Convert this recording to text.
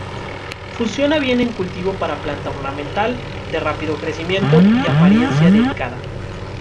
Funciona bien en cultivo para planta ornamental, de rápido crecimiento y apariencia delicada.